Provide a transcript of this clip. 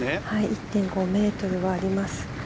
１．５ｍはあります。